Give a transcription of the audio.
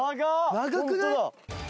長くない？